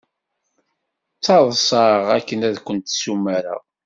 Ttaḍsaɣ akken ad kent-ssumareɣ.